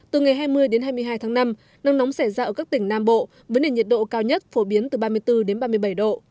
từ ngày hai mươi đến hai mươi hai tháng năm nắng nóng sẽ ra ở các tỉnh nam bộ với nền nhiệt độ cao nhất phổ biến từ ba mươi bốn đến ba mươi bảy độ